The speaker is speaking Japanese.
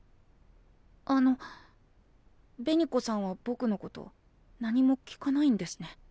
あの紅子さんはぼくのこと何も聞かないんですね。